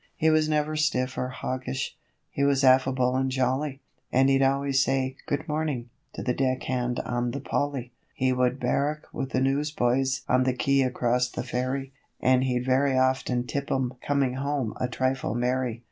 He was never stiff or hoggish he was affable and jolly, And he'd always say 'Good morning' to the deck hand on the 'Polly;' He would 'barrack' with the newsboys on the Quay across the ferry, And he'd very often tip 'em coming home a trifle merry.